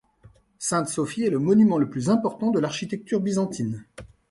Sainte-Sophie est le monument le plus important de l'architecture byzantine.